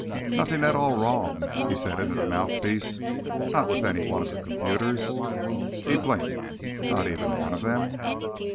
"Nothing at all wrong?" he said into the mouthpiece. "Not with any of the computers?" He blinked. "Not even one of them?"